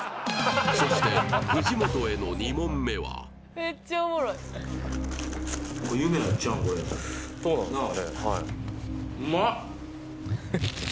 そして藤本への２問目は好きなんですか？